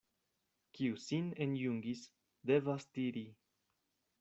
Kiu sin enjungis, devas tiri.